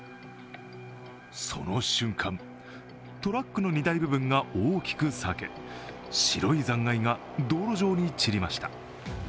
その瞬間、トラックの荷台部分が大きく裂け白い残骸が道路上に散りました。